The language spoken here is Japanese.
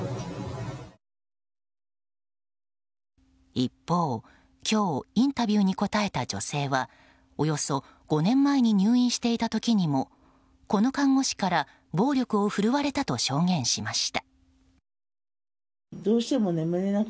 一方、今日インタビューに答えた女性はおよそ５年前に入院していた時にもこの看護師から暴力を振るわれたと証言しました。